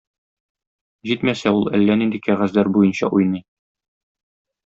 Җитмәсә, ул әллә нинди кәгазьләр буенча уйный.